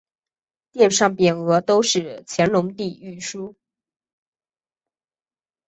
殿上匾额都是乾隆帝御书。